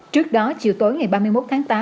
trước đó chiều tối ngày ba mươi một tháng tám